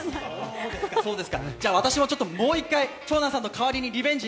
じゃあ私ももう一回長南さんの代わりにリベンジ。